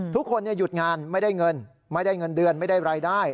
ทุกคนหยุดงานไม่ได้เงินไม่ได้เงินเดือนไม่ได้รายได้